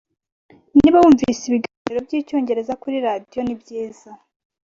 Niba wunvise ibiganiro byicyongereza kuri radio nibyiza,